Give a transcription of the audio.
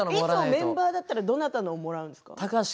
メンバーだったらどなたのもらうんですか。